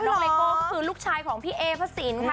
เลโก้ก็คือลูกชายของพี่เอพระสินค่ะ